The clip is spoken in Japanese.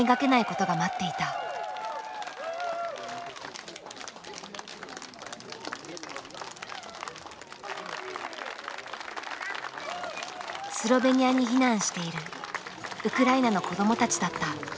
スロベニアに避難しているウクライナの子どもたちだった。